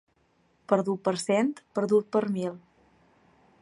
Perdut per cent, perdut per mil.